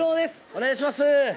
お願いします